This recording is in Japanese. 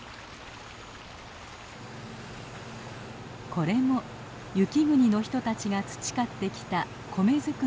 これも雪国の人たちが培ってきた米作りの知恵。